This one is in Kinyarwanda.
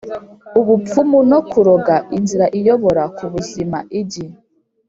Ubupfumu no Kuroga Inzira iyobora ku buzima igi